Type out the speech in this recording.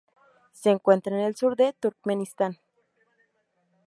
Se encuentra en el sur de Turkmenistán.